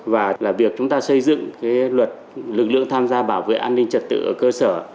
và là việc chúng ta xây dựng cái luật lực lượng tham gia bảo vệ an ninh chất tử ở cơ sở